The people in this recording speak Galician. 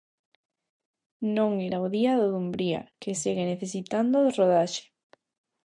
Non era o día do Dumbría, que segue necesitando rodaxe.